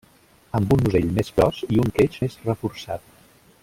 Amb un musell més gros i un queix més reforçat.